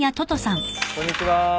こんにちは。